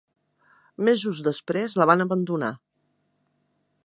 Mesos després la van abandonar.